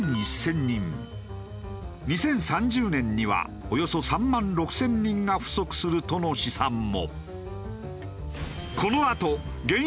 ２０３０年にはおよそ３万６０００人が不足するとの試算も。